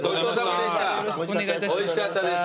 おいしかったです。